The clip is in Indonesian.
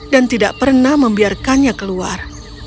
dan tidak pernah membiarkannya keluar